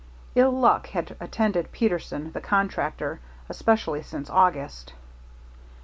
Ill luck had attended Peterson, the constructor, especially since August.